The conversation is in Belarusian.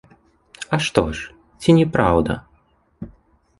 А што ж, ці не праўда?